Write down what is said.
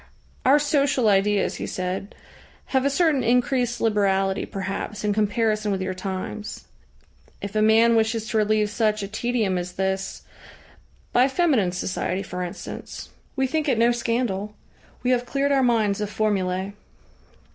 "Our social ideas," he said, "have a certain increased liberality, perhaps, in comparison with your times. If a man wishes to relieve such a tedium as this by feminine society, for instance. We think it no scandal. We have cleared our minds of formulae.